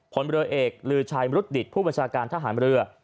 ผลเรือเอกลือชัยมรุฑดิตผู้บัญชาการทหารเรือ